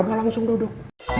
saya mau langsung duduk